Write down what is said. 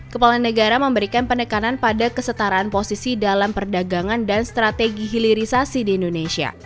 kepala negara memberikan pendekanan pada kesetaraan posisi dalam perdagangan dan strategi hilirisasi di indonesia